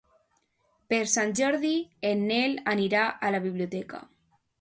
Per Sant Jordi en Nel anirà a la biblioteca.